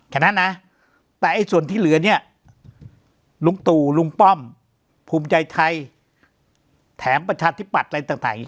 แค่นั้นนะแต่ไอ้ส่วนที่เหลือเนี่ยลุงตู่ลุงป้อมภูมิใจไทยแถมประชาธิปัตย์อะไรต่าง